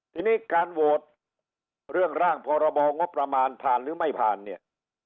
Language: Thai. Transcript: ทีนี้การโหวตเรื่องร่างพรบงบประมาณผ่านหรือไม่ผ่านเนี่ย